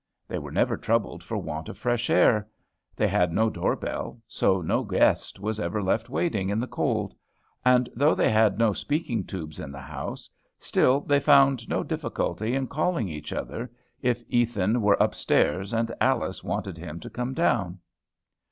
They were never troubled for want of fresh air. They had no door bell, so no guest was ever left waiting in the cold. And though they had no speaking tubes in the house, still they found no difficulty in calling each other if Ethan were up stairs and Alice wanted him to come down.